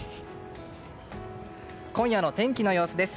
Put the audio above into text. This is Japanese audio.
今夜の天気の様子です。